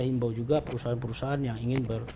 himbau juga perusahaan perusahaan yang ingin